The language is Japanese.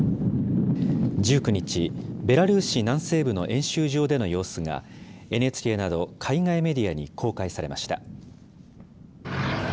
１９日、ベラルーシ南西部の演習場での様子が、ＮＨＫなど海外メディアに公開されました。